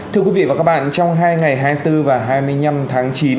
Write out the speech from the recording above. thưa quý vị và các bạn trong hai ngày hai mươi bốn và hai mươi năm tháng chín